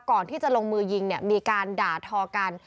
ก่อนที่จะลงมือยิงเนี่ยมีการด่าทอกัน